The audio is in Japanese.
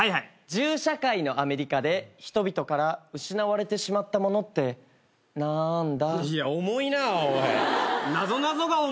銃社会のアメリカで人々から失われてしまったものってなんだ。